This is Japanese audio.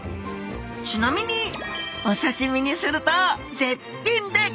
ちなみにお刺身にすると絶品でギョざいますよ！